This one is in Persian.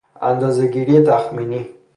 اندازهگیری تخمینی